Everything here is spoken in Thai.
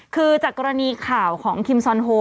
คือจากกรณีข่าวของคิมซอนโฮ